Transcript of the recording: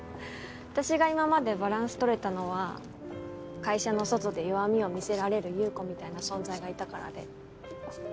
私が今までバランスとれたのは会社の外で弱みを見せられる優子みたいな存在がいたからで。